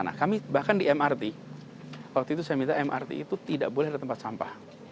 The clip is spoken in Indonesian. nah kami bahkan di mrt waktu itu saya minta mrt itu tidak boleh ada tempat sampah